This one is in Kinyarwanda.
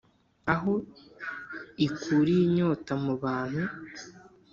aho ikuriye inyota mu bantu